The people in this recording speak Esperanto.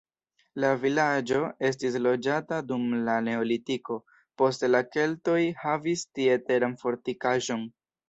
La vilaĝo estis loĝata dum la neolitiko, poste la keltoj havis tie teran fortikaĵon.